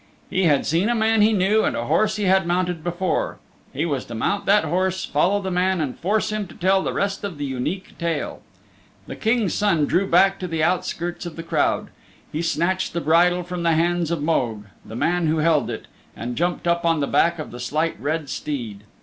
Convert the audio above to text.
He had seen a man he knew and a horse he had mounted before. He was to mount that horse, follow the man, and force him to tell the rest of the Unique Tale. The King's Son drew back to the outskirts of the crowd. He snatched the bridle from the hands of Mogue, the man who held it, and jumped up on the back of the Slight Red Steed.